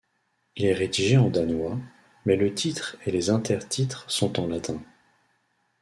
Il est rédigé en danois, mais le titre et les intertitres sont en latin.